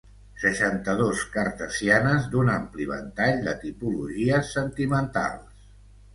Seixanta-dos cartesianes d'un ampli ventall de tipologies sentimentals.